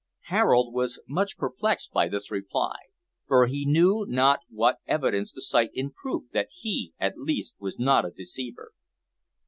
Harold was much perplexed by this reply, for he knew not what evidence to cite in proof that he, at least was not a deceiver.